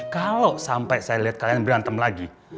kalo sampai saya liat kalian berantem lagi